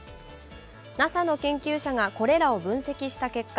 ＮＡＳＡの研究者がこれらを分析した結果